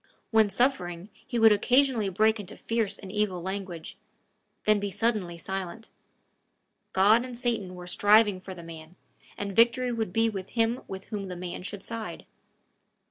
When suffering, he would occasionally break into fierce and evil language, then be suddenly silent. God and Satan were striving for the man, and victory would be with him with whom the man should side.